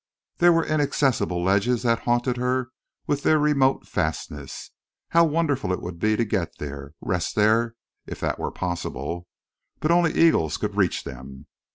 There were inaccessible ledges that haunted her with their remote fastnesses. How wonderful would it be to get there, rest there, if that were possible! But only eagles could reach them.